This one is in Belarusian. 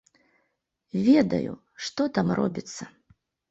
Ведаю, што там робіцца.